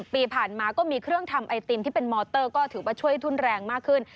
ปีผ่านมาก็มีเครื่องทำไอติมที่เป็นมอเตอร์ก็ถือว่าช่วยทุนแรงมากขึ้น